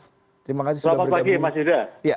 selamat pagi mas yuda